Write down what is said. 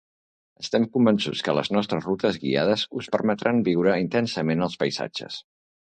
Estem convençuts que les nostres rutes guiades us permetran viure intensament els paisatges.